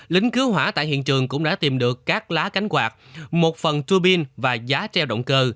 những cứu hỏa tại hiện trường cũng đã tìm được các lá cánh quạt một phần turbine và giá treo động cơ